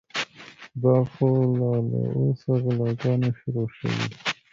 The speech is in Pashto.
دا خو لا له اوسه غلاګانې شروع شوې.